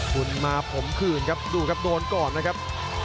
คุณมาผมคืนครับดูครับโดนก่อนนะครับ